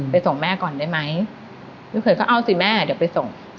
ส่งแม่ก่อนได้ไหมลูกเขยก็เอาสิแม่เดี๋ยวไปส่ง